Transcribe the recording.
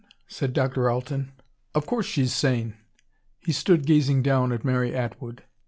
said Dr. Alten. "Of course she's sane." He stood gazing down at Mary Atwood.